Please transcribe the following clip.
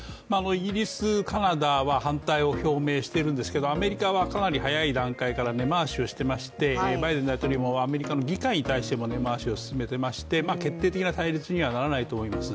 イギリス、カナダは反対を表明しているんですけれども、アメリカはかなり早い段階から根回しをしてましてバイデン大統領もアメリカの議会に対しても根回しを進めていまして決定的な対立にはならないと思います。